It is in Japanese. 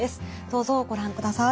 どうぞご覧ください。